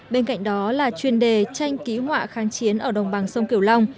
bên cạnh đó là chuyên đề tranh ký họa kháng chiến ở đồng bằng sông kiều long